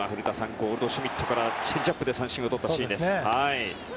ゴールドシュミットからチェンジアップで三振をとったシーンです。